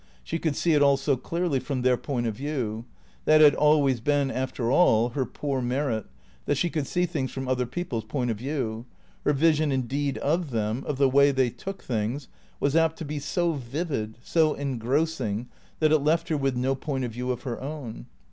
She could see it all so clearly from their point of view. That had always been after all her poor merit, that she could see things from other people's point of view. Her vision indeed of them, of the way they took things, was apt to be so vivid, so en grossing that it left her with no point of view of her own.